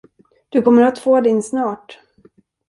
Du kommer att få din snart.